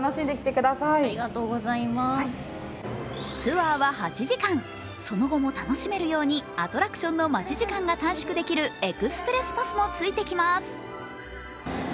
ツアーは８時間、その後も楽しめるようにアトラクションの待ち時間が短縮できるエクスプレス・パスもついてきます。